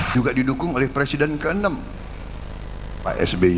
juga didukung oleh presiden ke enam pak sby